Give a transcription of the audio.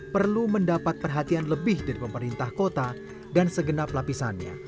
perlu mendapat perhatian lebih dari pemerintah kota dan segenap lapisannya